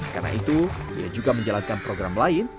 karena itu ia juga menjalankan program lain